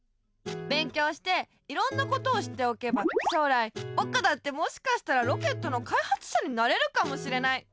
勉強していろんなことを知っておけば将来ぼくだってもしかしたらロケットのかいはつしゃになれるかもしれない。